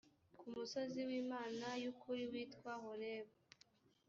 ku musozi w imana y ukuril witwa horebu